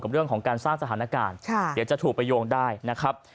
เรื่องของการสร้างสถานการณ์เดี๋ยวจะถูกไปโยงได้นะครับ